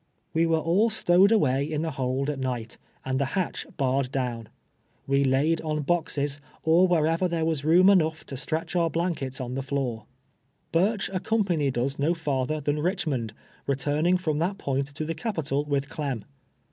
We were all stowed away in tlie hold at nii; ht, and tlie liatch barred doNvn. We laid onljoxes, or where ever there was room enough to stretch our blankets on the lloor. Burch accompanied iis no farther than Iliclimond, returning from that point to the capital with Clem.